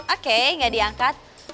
oke gak diangkat